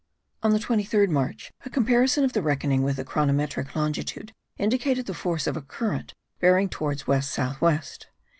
On the 23rd March, a comparison of the reckoning with the chronometric longitude, indicated the force of a current bearing towards west south west.